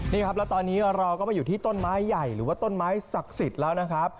นี่ครับแล้วตอนนี้เราก็มาอยู่ที่ต้นไม้ใหญ่หรือว่าต้นไม้ศักดิ์สิทธิ์แล้วนะครับ